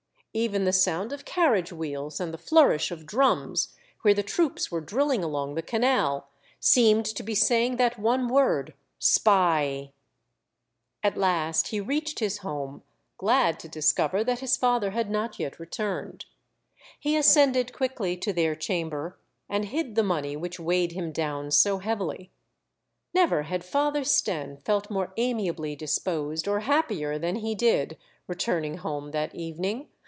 Even the sound of carriage wheels and the flourish of drums, where the troops were drilling along the canal, seemed to be saying that one word *' Spy !" At last he reached his home, glad to discover that his father had not yet returned. He ascended quickly to their chamber, and hid the money which weighed him down so heavily. Never had Father Stenne felt more amiably dis posed or happier than he did, returning home that evening.